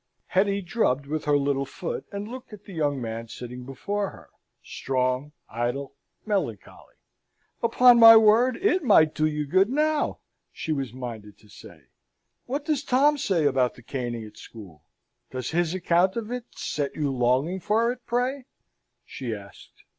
Hetty drubbed with her little foot, and looked at the young man sitting before her strong, idle, melancholy. "Upon my word, it might do you good now!" she was minded to say. "What does Tom say about the caning at school? Does his account of it set you longing for it, pray?" she asked.